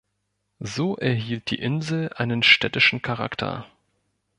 So erhielt die Insel einen städtischen Charakter.